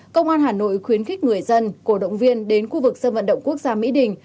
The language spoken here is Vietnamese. công an hà nội khuyến khích người dân cổ động viên đến khu vực sân vận động quốc gia mỹ đình